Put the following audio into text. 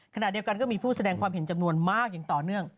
ขณะเดียวกันก็มีผู้แสดงความเห็นจำนวนมากอย่างต่อเนื่อง